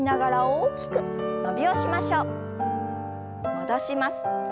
戻します。